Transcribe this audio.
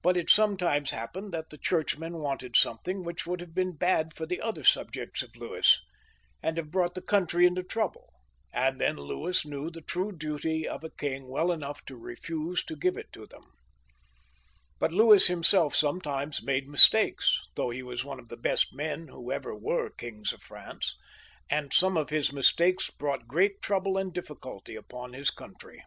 But it sometimes hap pened that the Churchmen wanted something which would have been bad for the other subjects of Louis, and have brought the country into trouble, and then Louis knew the true duty of a king well enough to refuse to give it to theuL But Louis himself sometimes made mistakes, though he was one of the best men who ever were kings of France, and some of his mistakes brought great trouble and diffi culty upon his coimtry.